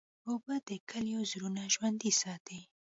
اوبه د کلیو زړونه ژوندی ساتي.